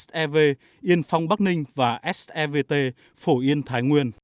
sev yên phong bắc ninh và sev phổ yên thái nguyên